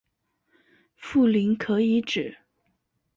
富临可以指